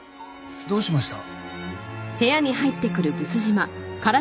どうしました？